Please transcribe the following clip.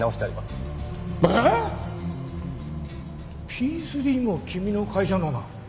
ＰⅢも君の会社のなの？